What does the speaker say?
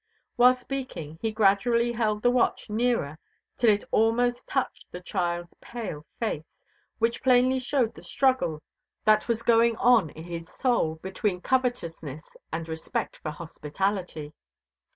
While speaking he gradually held the watch nearer till it almost touched the child's pale face, which plainly showed the struggle that was going on in his soul between covetousness and respect for hospitality.